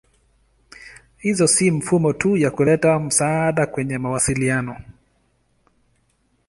Hizo si mifumo tu ya kuleta msaada kwenye mawasiliano.